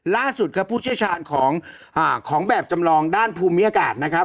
ล่าสุดครับผู้เชี่ยวชาญของแบบจำลองด้านภูมิอากาศนะครับ